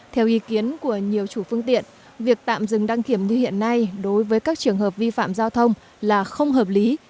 theo ý kiến của nhiều chủ phương tiện việc tạm dừng đăng kiểm như hiện nay đối với các trường hợp vi phạm giao thông là không hợp lý